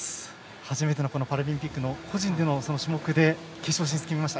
初めてのパラリンピックの個人での種目で決勝進出決めました。